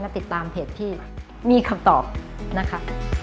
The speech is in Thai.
และติดตามเพจที่มีคำตอบนะคะ